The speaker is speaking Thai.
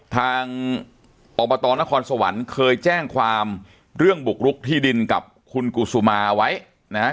ทางอบตนครสวรรค์เคยแจ้งความเรื่องบุกรุกที่ดินกับคุณกุศุมาไว้นะครับ